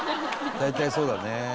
大体そうだね。